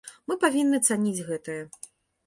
Мы павінны цаніць гэтае.